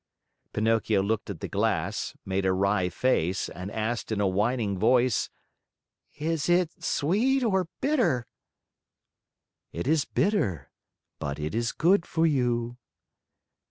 Pinocchio looked at the glass, made a wry face, and asked in a whining voice: "Is it sweet or bitter?" "It is bitter, but it is good for you."